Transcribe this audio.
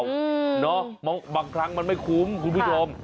เนาะบางครั้งมันไม่คุ้มคุณผู้ชม